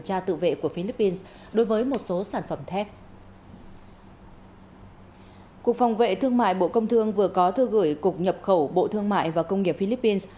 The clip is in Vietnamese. cục phòng vệ thương mại bộ công thương vừa có thư gửi cục nhập khẩu bộ thương mại và công nghiệp philippines